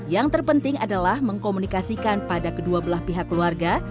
yang terpenting adalah mengkomunikasikan pada kedua belah pihak keluarga